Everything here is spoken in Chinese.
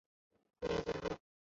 会议最后